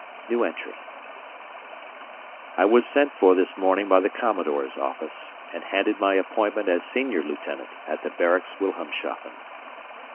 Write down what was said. I was sent for this morning by the Commodore's office, and handed my appointment as Senior Lieutenant at the barracks Wilhelmshafen.